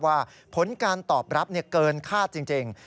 ว่าผลการตอบรับเกินคาดจริง